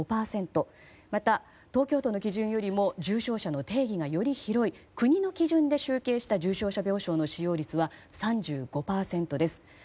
また、東京都の基準よりも重症者の定義がより広い国の基準で集計した重症者病床の使用率は３５％です。